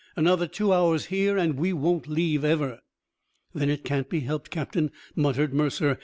"Another two hours here and we won't leave ever." "Then it can't be helped, Captain," muttered Mercer.